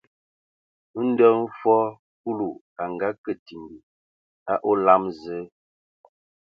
Ndɔ hm fɔɔ Kulu a ngakǝ timbi a olam Zǝǝ,